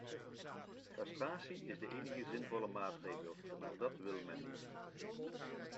Castratie is de enige zinvolle maatregel, maar dat wil men niet.